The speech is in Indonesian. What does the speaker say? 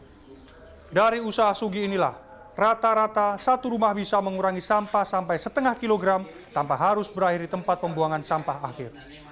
seperti yang terjadi di rumah pak sudi inilah rata rata satu rumah bisa mengurangi sampah sampai setengah kilogram tanpa harus berakhir di tempat pembuangan sampah akhir